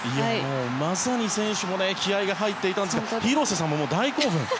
まさに選手も気合が入っていたんですが広瀬さんも大興奮。